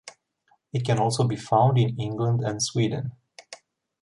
It can also be found in England and Sweden.